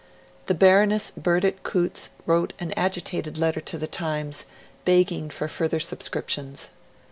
The Baroness Burdett Coutts wrote an agitated letter to "The Times" begging for further subscriptions.